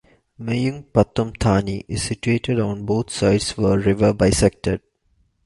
Mueang Pathum Thani is situated on both sides where river bisected.